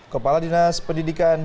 kepala dinas pendidikan jawa timur